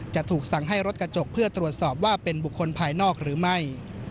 จะถูกสั่งให้รถกระจกเพื่อตรวจสอบว่าเป็นบุคคลภายนอกหรือไม่